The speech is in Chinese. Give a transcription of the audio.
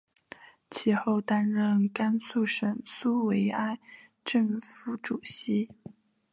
其后担任甘肃省苏维埃政府主席。